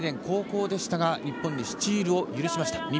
後攻でしたが日本にスチールを許しました。